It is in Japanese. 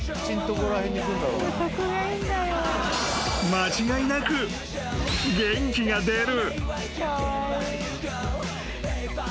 ［間違いなく元気が出る］